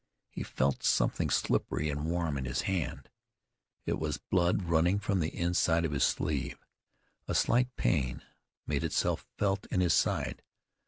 He felt something slippery and warm on his hand. It was blood running from the inside of his sleeve. A slight pain made itself felt in his side.